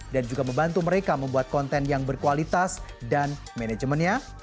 dan juga membantu mereka membuat konten yang berkualitas dan manajemennya